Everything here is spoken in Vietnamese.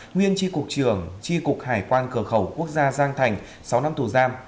nguyên tri cục trưởng tri cục hải quan cửa khẩu quốc gia giang thành sáu năm tù giam